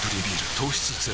糖質ゼロ